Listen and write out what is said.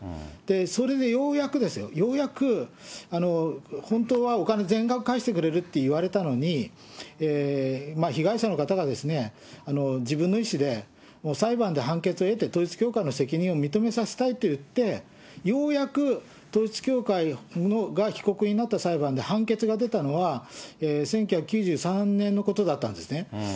それでようやく、ようやく、本当はお金、全額返してくれるっていわれたのに、被害者の方が自分の意思で裁判で判決を得て、統一教会の責任を認めさせたいといって、ようやく統一教会が被告になった裁判で判決が出たのは、１９９３年のことだったんですね。